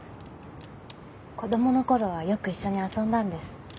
子供の頃はよく一緒に遊んだんです。